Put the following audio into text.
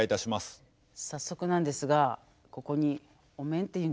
早速なんですがここにお面っていうんですかこの。